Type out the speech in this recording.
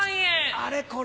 あれこれ